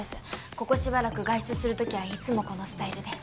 ここしばらく外出する時はいつもこのスタイルで。